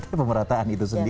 tapi pemerataan itu sendiri